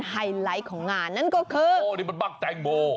มีหลากหลายการแข่งขันคุณผู้ชมอย่างที่บอกอันนี้ปาเป้าเห็นมั้ยก็มีแต้ม